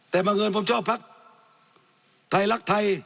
แต่บางทีผมชอบภาคไทยรักไทย